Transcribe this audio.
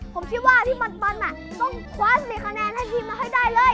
ผมคิดว่าพี่ปันปันต้องคว้น๑๐คะแนนให้ดีมาให้ได้เลย